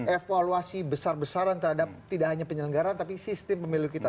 evaluasi besar besaran terhadap tidak hanya penyelenggara tapi sistem pemilu kita